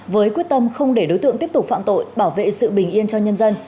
với quyết tâm không để đối tượng tiếp tục phạm tội bảo vệ sự bình yên cho nhân dân